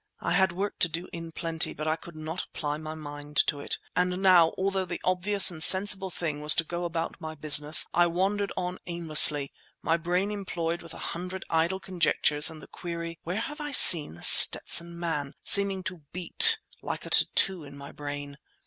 I had work to do in plenty, but I could not apply my mind to it; and now, although the obvious and sensible thing was to go about my business, I wandered on aimlessly, my brain employed with a hundred idle conjectures and the query, "Where have I seen The Stetson Man?" seeming to beat, like a tattoo, in my brain.